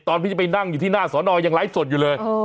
พี่จะไปนั่งอยู่ที่หน้าสอนอยังไลฟ์สดอยู่เลย